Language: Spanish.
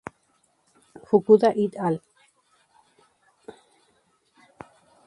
Fukuda "et al.